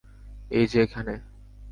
এই যে এখানে।